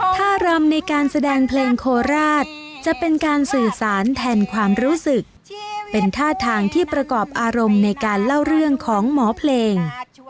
ท่ารำในการแสดงเพลงโคราชจะเป็นการสื่อสารแทนความรู้สึกเป็นท่าทางที่ประกอบอารมณ์ในการเล่าเรื่องของหมอเพลง